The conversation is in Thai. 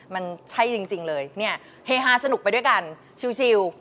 มันใช่จริงเลยเนี่ยเฮฮาสนุกไปด้วยกันชิล